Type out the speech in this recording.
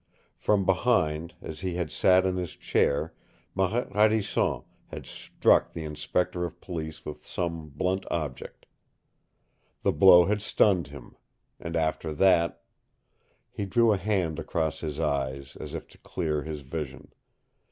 From behind, as he had sat in his chair Marette Radisson had struck the Inspector of Police with some blunt object. The blow had stunned him. And after that He drew a hand across his eyes, as if to clear his vision.